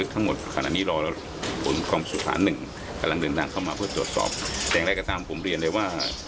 แต่อย่างไรก็ตามผมเรียนเลยว่า